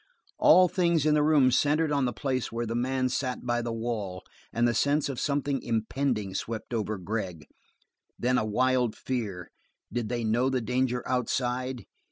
All things in the room centered on the place where the man sat by the wall, and the sense of something impending swept over Gregg; then a wild fear did they know the danger outside?